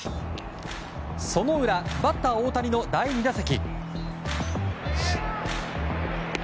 その裏、バッター大谷の第２打席。